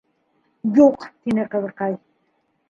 —Юҡ, —тине ҡыҙыҡай.